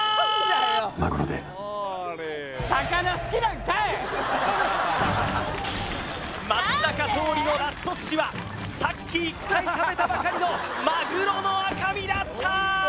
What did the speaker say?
まぐろで松坂桃李のラスト寿司はさっき１回食べたばかりのまぐろの赤身だったー！